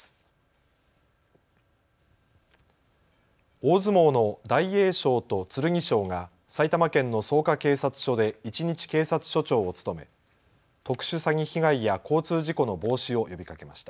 大相撲の大栄翔と剣翔が埼玉県の草加警察署で一日警察署長を務め特殊詐欺被害や交通事故の防止を呼びかけました。